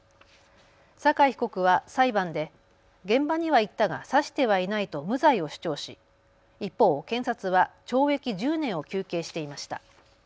酒井被告は裁判で現場には行ったが刺してはいないと無罪を主張し、一方、検察は懲役１０年を求刑していました。